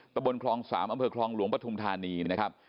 ตะบนคลอง๓อำเภอคลองหลวงปฐุมธานีนะครับ